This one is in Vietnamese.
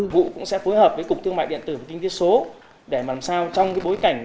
vụ cũng sẽ phối hợp với cục thương mại điện tử và kinh tế số để làm sao trong bối cảnh